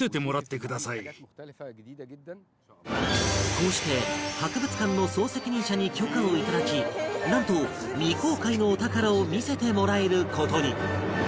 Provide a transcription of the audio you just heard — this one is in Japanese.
こうして博物館の総責任者に許可を頂きなんと未公開のお宝を見せてもらえる事に